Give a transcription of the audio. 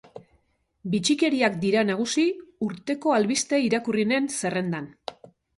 Bitxikeriak dira nagusi urteko albiste irakurrienen zerrendan.